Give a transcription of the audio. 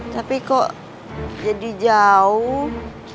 tapi kok jadi jauh